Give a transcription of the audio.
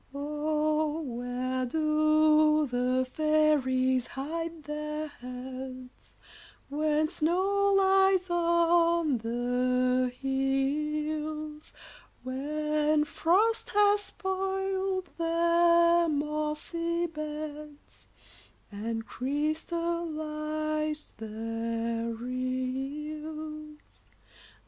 Oh ! where do fairies hide their heads, When snow lies on the hills, When frost has spoiled their mossy beds, And crystallized their rills?